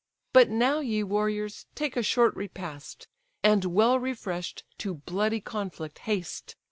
But now, ye warriors, take a short repast; And, well refresh'd, to bloody conflict haste.